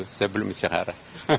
saya belum istihara